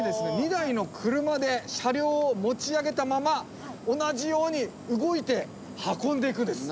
２台の車で車両を持ち上げたまま同じように動いて運んでいくんです。